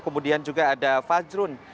kemudian juga ada fajrun